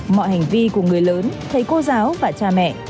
mọi hành vi của người lớn thầy cô giáo và cha mẹ